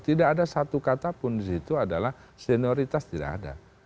tidak ada satu kata pun di situ adalah senioritas tidak ada